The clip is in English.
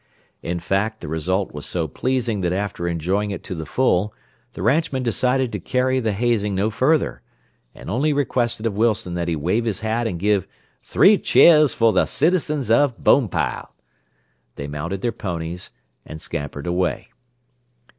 In fact the result was so pleasing that after enjoying it to the full, the ranchmen decided to carry the hazing no further, and only requesting of Wilson that he wave his hat and give "three cheers for the citizens of Bonepile," they mounted their ponies, and scampered away.